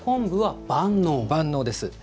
万能です。